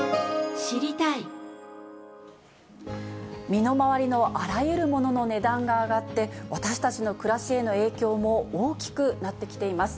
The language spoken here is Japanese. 身の回りのあらゆるものの値段が上がって、私たちの暮らしへの影響も大きくなってきています。